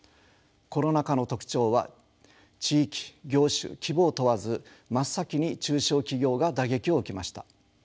コロナ禍の特徴は地域業種規模を問わず真っ先に中小企業が打撃を受けました。